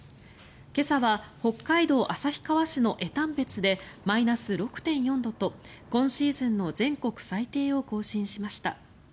今朝は北海道旭川市の江丹別でマイナス６．４度と今シーズンの全国最低を更新しました。